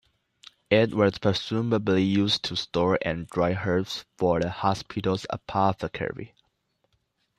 It was presumably used to store and dry herbs for the hospital's apothecary.